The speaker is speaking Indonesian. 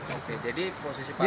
oke jadi posisi pak